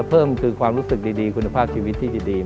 เพิ่มความรู้สึกธุรกิจที่ดีคุณภาพดีจริง